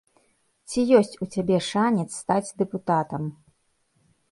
Ці ёсць у цябе шанец стаць дэпутатам?